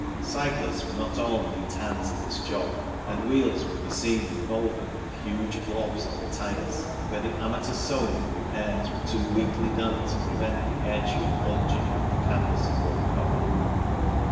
Cyclists were not all neat hands at this job ffi'd wheels would be seen revolving with huge blobs on the tyres, where'the amateur sewing and repairs were too weakly done to prevent the air tube bulging out the canvas and rubber cover.